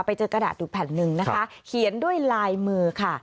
ไปเจอกระดาษอยู่แผ่นหนึ่งนะคะเขียนด้วยลายมือค่ะ